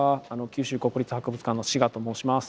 九州国立博物館の志賀と申します。